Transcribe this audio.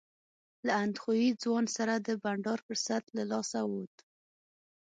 له اندخویي ځوان سره د بنډار فرصت له لاسه ووت.